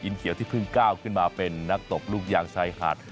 เขียวที่เพิ่งก้าวขึ้นมาเป็นนักตบลูกยางชายหาด